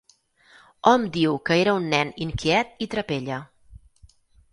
Hom diu que era un nen inquiet i trapella.